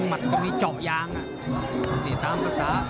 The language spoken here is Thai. ไม่เข้าใครออกใครนะ